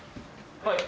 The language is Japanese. はい。